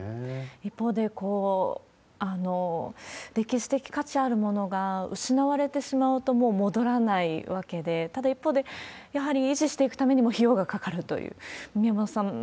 一方で、歴史的価値あるものが失われてしまうと、もう戻らないわけで、ただ一方で、やはり維持していくためにも費用がかかるという。